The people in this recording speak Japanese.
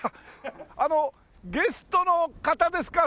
あのゲストの方ですか？